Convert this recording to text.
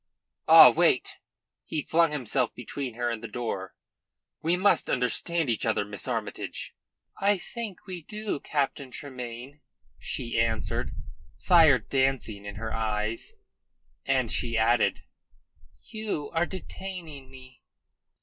"Ah, wait!" He flung himself between her and the door. "We must understand each other, Miss Armytage." "I think we do, Captain Tremayne," she answered, fire dancing in her eyes. And she added: "You are detaining me."